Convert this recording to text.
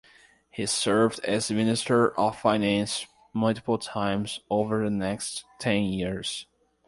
He served as Minister of Finance multiple times over the next ten years.